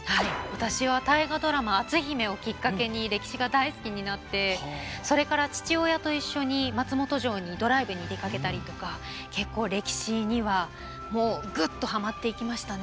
私は大河ドラマ「篤姫」をきっかけに歴史が大好きになってそれから父親と一緒に松本城にドライブに出かけたりとか結構歴史にはもうグッとハマっていきましたね。